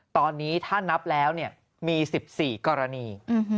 ตอนนี้ถ้านับแล้วมี๑๔กรณี